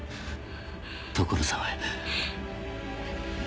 所沢へ。